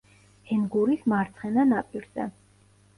ენგურის მარცხენა ნაპირზე.